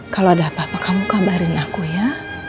kalau ada apa apa kamu kabarin aku ya